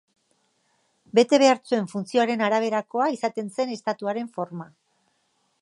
Bete behar zuen funtzioaren araberakoa izaten zen estatuaren forma.